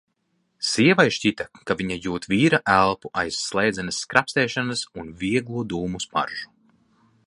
Sievai šķita, ka viņa jūt vīra elpu aiz slēdzenes skrapstēšanas un vieglo dūmu smaržu.